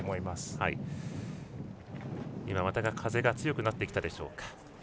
また風が強くなってきたでしょうか。